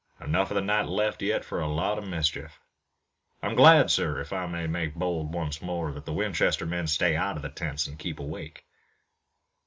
"Enough of the night left yet for a lot of mischief. I'm glad, sir, if I may make bold once more, that the Winchester men stay out of the tents and keep awake."